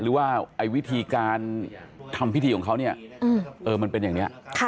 หรือว่าวิธีการทำพิธีของเขาเนี่ยมันเป็นอย่างนี้